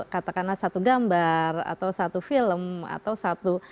katakanlah satu gambar atau satu film atau satu